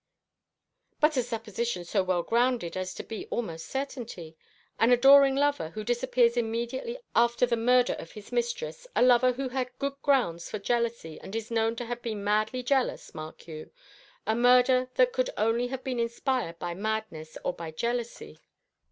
"But a supposition so well grounded as to be almost certainty. An adoring lover, who disappears immediately after the murder of his mistress a lover who had good ground for jealousy, and is known to have been madly jealous, mark you; a murder that could only have been inspired by madness or by jealousy.